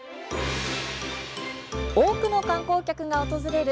多くの観光客が訪れる